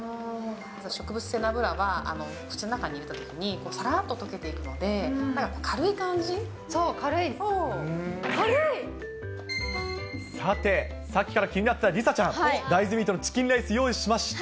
植物性の油は、口の中に入れたときに、さらっと溶けていくので、そう、さて、さっきから気になっていた梨紗ちゃん、大豆ミートのチキンライス用意しました。